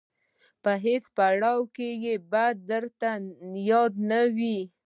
په هیڅ پړاو یې بد درته یاد نه وي.